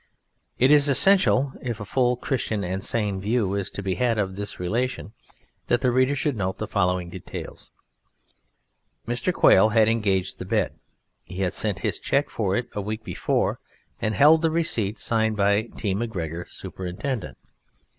It is essential, if a full, Christian and sane view is to be had of this relation, that the reader should note the following details: Mr. Quail had engaged the bed. He had sent his cheque for it a week before and held the receipt signed "T. Macgregor, Superintendent".